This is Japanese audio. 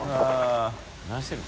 何してるの？